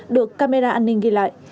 được camera an ninh ghi lại